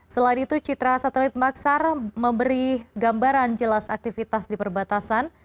selain itu citra satelit maksar memberi gambaran jelas aktivitas di perbatasan